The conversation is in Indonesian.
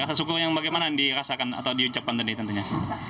rasa syukur yang bagaimana dirasakan atau diuncapkan tadi tentunya